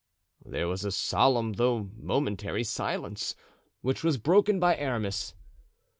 There was a solemn, though momentary silence, which was broken by Aramis.